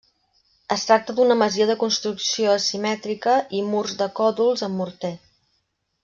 Es tracta d'una masia de construcció asimètrica i murs de còdols amb morter.